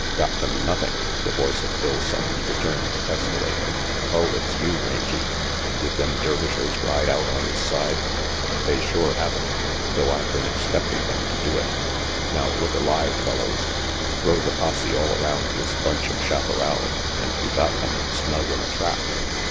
"Got them nothing!" the voice of Bill Sonnes returned testily. "Oh, it's you, Rangy! Did them Dervishers ride out on this side?" "They shore haven't, though I been expecting them to do it. Now look alive, fellows. Throw the posse all around this bunch of chaparral, and we got them, snug in a trap.